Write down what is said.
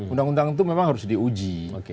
undang undang itu memang harus diuji